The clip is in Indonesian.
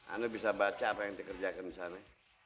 anda bisa baca apa yang dikerjakan di sana